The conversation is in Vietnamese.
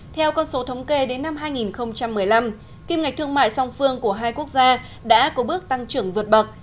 theo con số thống kê đến năm hai nghìn một mươi năm kim ngạch thương mại song phương của hai quốc gia đã có bước tăng trưởng vượt bậc